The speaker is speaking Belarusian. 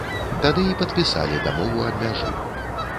Тады і падпісалі дамову аб мяжы.